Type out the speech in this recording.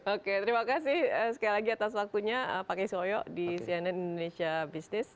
oke terima kasih sekali lagi atas waktunya pak kiswoyo di cnn indonesia business